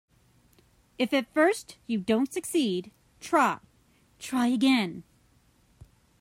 If at first you don't succeed, try, try again.